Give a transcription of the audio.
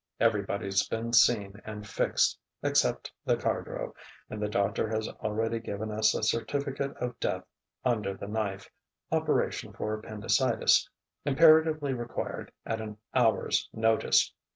Everybody's been seen and fixed, except the Cardrow, and the doctor has already given us a certificate of death under the knife operation for appendicitis, imperatively required at an hour's notice....